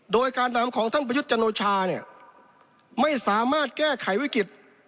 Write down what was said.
โดยการทำของท่านประยุทธ์จันโอชาเนี่ยไม่สามารถแก้ไขวิกฤต